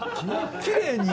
きれいに？